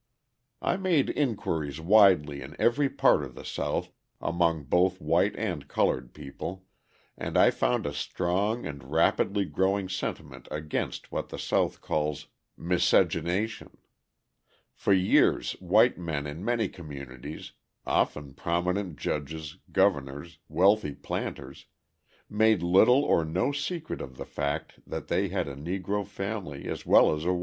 I made inquiries widely in every part of the South among both white and coloured people and I found a strong and rapidly growing sentiment against what the South calls "miscegenation." For years white men in many communities, often prominent judges, governors, wealthy planters, made little or no secret of the fact that they had a Negro family as well as a white family.